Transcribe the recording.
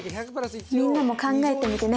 みんなも考えてみてね。